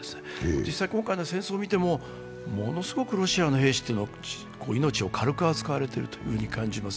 実際今回の戦争を見てもものすごくロシアの兵士というのは命を軽く扱われているという感じがします。